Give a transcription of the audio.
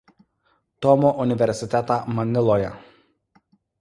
Tomo universitetą Maniloje.